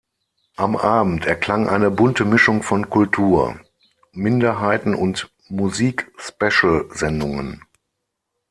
Am Abend erklang eine bunte Mischung von Kultur-, Minderheiten- und Musikspecial-Sendungen.